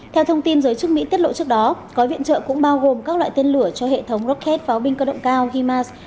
theo thông tin giới chức mỹ tiết lộ trước đó gói viện trợ cũng bao gồm các loại tên lửa cho hệ thống rocket pháo binh cơ động cao himars